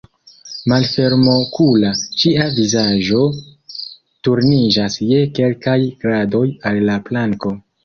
Malfermokula, ŝia vizaĝo turniĝas je kelkaj gradoj al la planko.